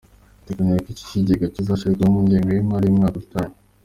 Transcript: Biteganyijwe ko iki kigega kizashyirwaho mu ngengo y’imari y’umwaka utaha.